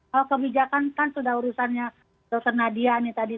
kalau kebijakan kan sudah urusannya dr nadia nih tadi